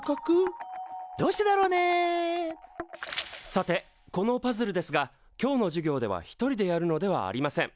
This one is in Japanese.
さてこのパズルですが今日の授業では１人でやるのではありません。